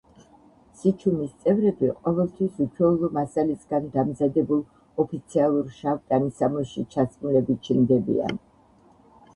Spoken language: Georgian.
სიჩუმის წევრები ყოველთვის უჩვეულო მასალისგან დამზადებულ ოფიციალურ შავ ტანისამოსში ჩაცმულები ჩნდებიან.